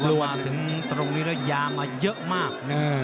รวมถึงตรงนี้แล้วยามาเยอะมาก